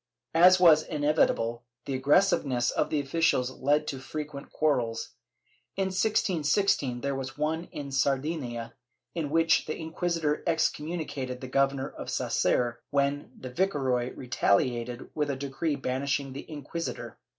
» As was inevitable, the aggressiveness of the officials led to fre quent quarrels. In 1616 there was one in Sardinia, in which the inquisitor excommunicated the Governor of Sasser, when the viceroy retahated with a decree banishing the inquisitor.